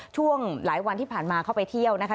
ช่วงหลายวันที่ผ่านมาเข้าไปเที่ยวนะคะ